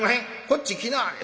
こっち来なはれ。